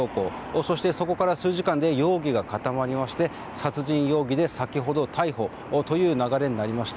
そしてそこから数時間で容疑が固まりまして、殺人容疑で先ほど逮捕という流れになりました。